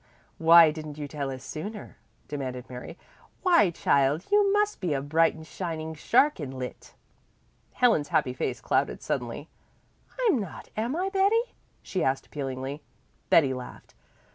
"Why didn't you tell us sooner?" demanded Mary. "Why, child, you must be a bright and shining shark in lit." Helen's happy face clouded suddenly. "I'm not, am I, Betty?" she asked appealingly. Betty laughed.